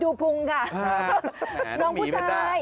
ดูภูมิค่ะ